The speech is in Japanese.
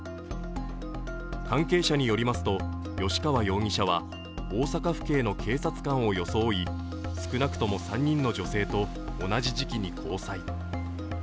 関係者によりますと、吉川容疑者は大阪府警の警察官を装い、少なくとも３人の女性と同じ時期に交際。